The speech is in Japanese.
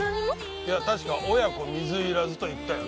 いや確か親子水入らずと言ったよな？